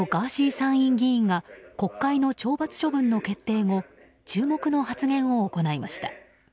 参院議員が国会の懲罰処分の決定後注目の発言を行いました。